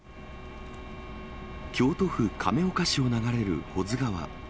京都府亀岡市を流れる保津川。